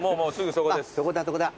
そこだそこだ。